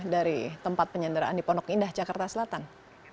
dari tempat penyanderaan di pondok indah jakarta selatan